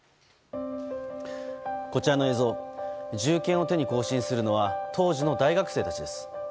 こちらの映像銃剣を手に行進するのは当時の大学生たちです。